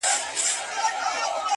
o خو درد لا پاتې وي ډېر,